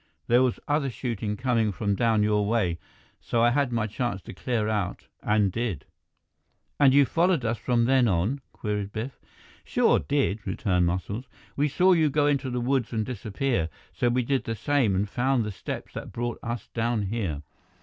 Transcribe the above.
There was other shooting coming from down your way, so I had my chance to clear out and did." "And you followed us from then on?" queried Biff. "Sure did," returned Muscles. "We saw you go into a woods and disappear, so we did the same and found the steps that brought us down here.